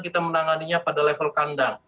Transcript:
kita menanganinya pada level kandang